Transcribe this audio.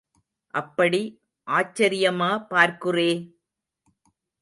அப்படி ஆச்சரியமா பார்க்குறே?